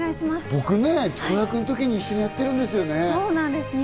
僕、子役の時に一緒にやってるんですよね。